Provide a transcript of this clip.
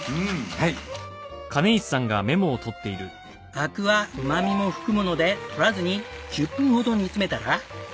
アクはうまみも含むので取らずに１０分ほど煮詰めたら。